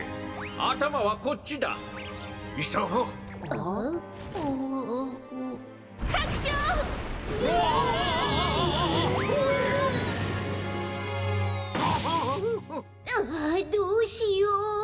ああっどうしよう。